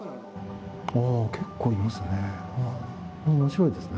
結構いますね。